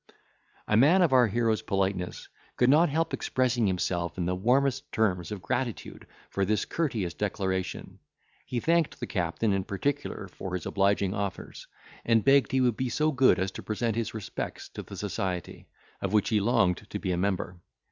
A man of our hero's politeness could not help expressing himself in the warmest terms of gratitude for this courteous declaration. He thanked the captain in particular for his obliging offers, and begged he would be so good as to present his respects to the society, of which he longed to be a member.